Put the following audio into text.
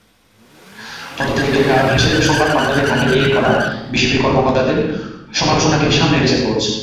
পদত্যাগের কারণ হিসেবে সংবাদমাধ্যমে তাঁকে নিয়ে করা বিসিবির কর্মকর্তাদের সমালোচনাকেই সামনে এনেছেন কোচ।